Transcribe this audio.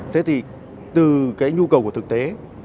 thế thì từ cái nhu cầu của thực tế